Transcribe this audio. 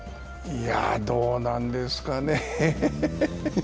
いや、どうなんですかね。